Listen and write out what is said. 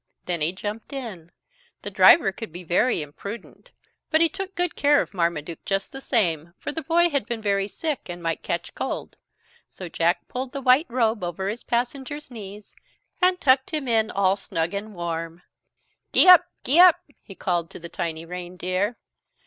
Then he jumped in. The driver could be very impudent, but he took good care of Marmaduke just the same, for the boy had been very sick and might catch cold. So Jack pulled the white robe over his passenger's knees, and tucked him in all snug and warm. "Gee up, gee up!" he called to the tiny reindeer.